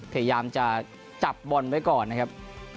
พยายามจะจับบอลไว้ก่อนนะครับ